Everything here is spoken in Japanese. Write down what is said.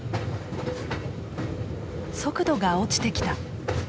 速度が落ちてきた。